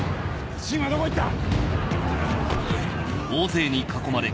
信はどこ行った？